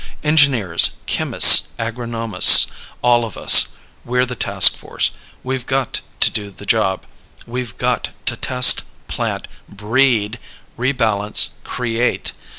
Engineers, chemists, agronomists, all of us we're the task force. We've got to do the job. We've got to test, plant, breed, re balance, create.